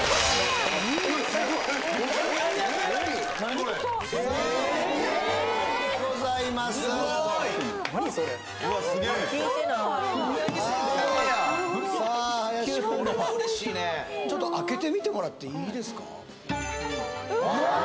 これは嬉しいねちょっと開けてみてもらっていいですか？